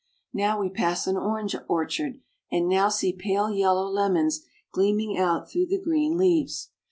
Now we pass an orange orchard, and now see pale yellow lemons gleaming out through the green leaves.